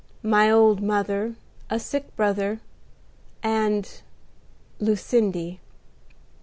"My old mother, a sick brother, and Lucindy."